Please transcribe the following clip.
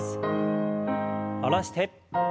下ろして。